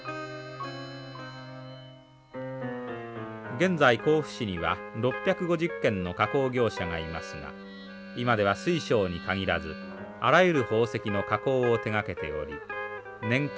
現在甲府市には６５０軒の加工業者がいますが今では水晶に限らずあらゆる宝石の加工を手がけており年間